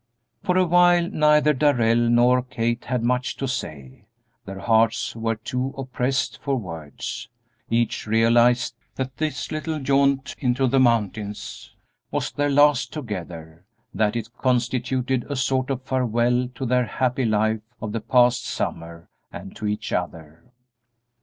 For a while neither Darrell nor Kate had much to say. Their hearts were too oppressed for words. Each realized that this little jaunt into the mountains was their last together; that it constituted a sort of farewell to their happy life of the past summer and to each other.